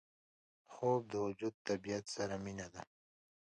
خوب د وجود طبیعت سره مینه ده